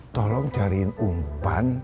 tolong jariin umpan